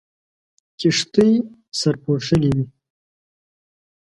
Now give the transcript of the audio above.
کښتۍ سرپوښلې وې.